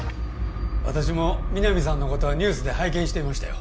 私も皆実さんのことはニュースで拝見していましたよ